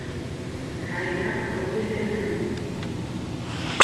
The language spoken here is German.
Keiner konnte helfen.